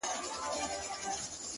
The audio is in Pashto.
شاعري سمه ده چي ته غواړې’